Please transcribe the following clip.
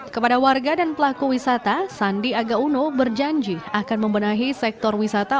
kepada warga dan pelaku wisata sandiaga uno berjanji akan membenahi sektor wisata